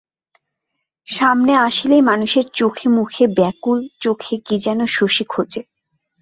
সামনে আসিলেই মানুষের চোখেমুখে ব্যাকুল চোখে কী যেন শশী খোজে।